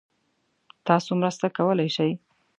تاسو مرسته کولای شئ؟